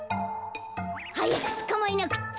はやくつかまえなくっちゃ。